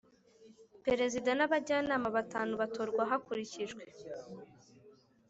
Perezida n abajyanama batanu batorwa hakurikijwe